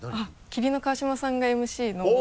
麒麟の川島さんがＭＣのおぉ！